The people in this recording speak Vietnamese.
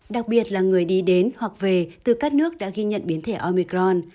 đặc biệt là người đi đến hoặc về từ các nước đã ghi nhận biến thẻ omicron